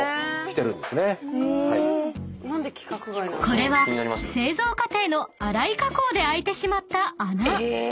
［これは製造過程の洗い加工で開いてしまった穴］